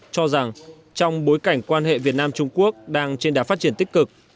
cho rằng trong bối cảnh quan hệ việt nam trung quốc đang trên đá phát triển tích cực